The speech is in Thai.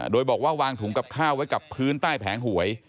โดยบอกว่าวางถุงกับข้าวไว้กับพื้นใต้แผงหวย